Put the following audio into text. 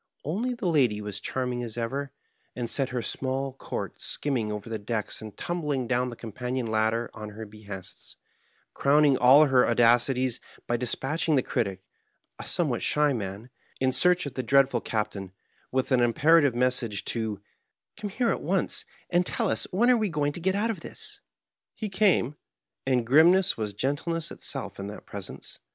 Only the lady was charming as ever, and set her small court skimming over the decks and tumhling down the com panion ladder on her hehests, crowning all her audacities hy dis patching the Critic — a somewhat shy man — ^in search of the dread ful Captain, with an imperative message to '^ Come here at once, and tell us when we are going to get out of this.'' He came, and grimness was gentleness itself in that presence.